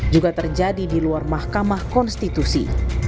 juga terjadi di luar mahkamah konstitusi